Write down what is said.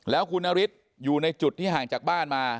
แล้วคุณนฤทธิ์อยู่ในจุดที่ห่างจากบ้านมา